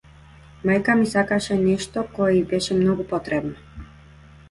Мајка ми сакаше нешто кое ѝ беше многу потребно.